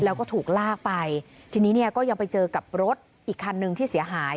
แล้วก็ถูกลากไปทีนี้เนี่ยก็ยังไปเจอกับรถอีกคันหนึ่งที่เสียหาย